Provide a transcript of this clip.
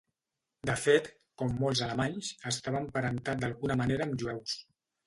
De fet, com molts alemanys, estava emparentat d'alguna manera amb jueus.